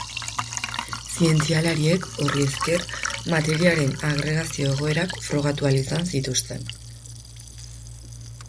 Zientzialariek, horri esker, materiaren agregazio-egoerak frogatu ahal izan zuten.